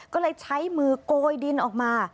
ก็เลยใช้มือโกยดินออกมา